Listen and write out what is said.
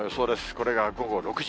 これが午後６時。